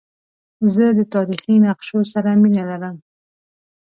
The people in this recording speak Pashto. زه د تاریخي نقشو سره مینه لرم.